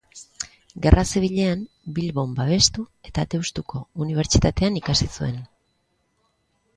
Gerra Zibilean Bilbon babestu eta Deustuko Unibertsitatean ikasi zuen.